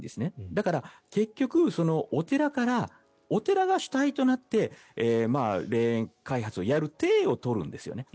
だから結局、お寺からお寺が主体となって霊園開発をやる体を取るんですよね。